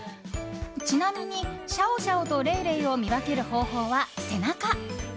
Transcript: ちなみにシャオシャオとレイレイを見分ける方法は背中。